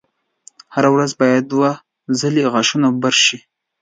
هره ورځ باید دوه ځلې غاښونه برش شي.